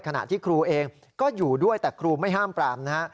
ขณะที่ครูเองก็อยู่ด้วยแต่ครูไม่ห้ามปรามนะฮะ